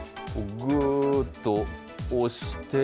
ぐーっと押して。